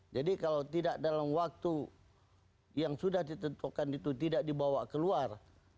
jadi kalau tidak dalam waktu yang sudah ditentukan itu tidak dibawa keluar